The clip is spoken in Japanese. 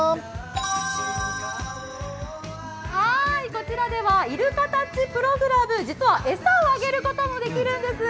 こちらではイルカタッチプログラム、実は餌をあげることもできるんです。